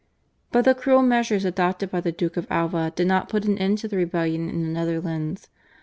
But the cruel measures adopted by the Duke of Alva did not put an end to the rebellion in the Netherlands.